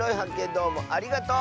どうもありがとう！